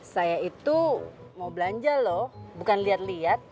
saya itu mau belanja loh bukan lihat lihat